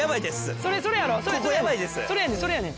それやねんそれやねん。